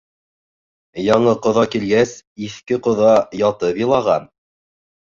Яңы ҡоҙа килгәс, иҫке ҡоҙа ятып илаған.